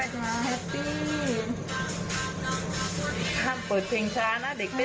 ช้าแฮปปี้